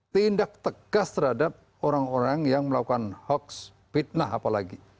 tindak tegas terhadap orang orang yang melakukan hoax fitnah apalagi